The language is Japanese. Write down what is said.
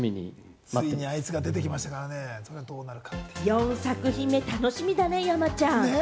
４作品目、楽しみだね、山ちゃん！